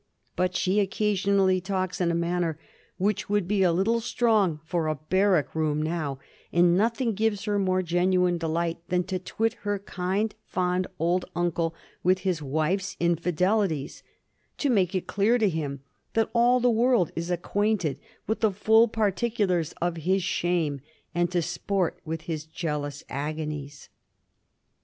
But she occasionally talks in a manner which would be a little strong for a bar rack room now ; and nothing gives her more genuine delight than to twit her kind, fond old uncle with his wife's infidelities, to make it clear to him that all the world is acquainted with the full particulars of his shame, and to sport with his jealous agonies.